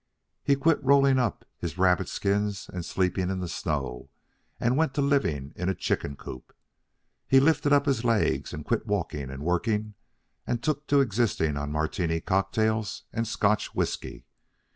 He quit rolling up in his rabbit skins and sleeping in the snow, and went to living in a chicken coop. He lifted up his legs and quit walking and working, and took to existing on Martini cocktails and Scotch whiskey.